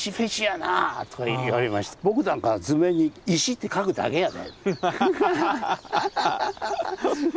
「僕なんか図面に『石』って書くだけやで」。